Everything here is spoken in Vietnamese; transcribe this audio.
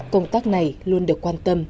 công tác này luôn được quan tâm